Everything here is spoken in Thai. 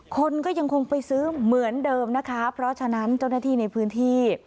คนก็ยังคงไปซื้อเหมือนเดิมนะคะเพราะฉะนั้นเจ้าหน้าที่ในพื้นที่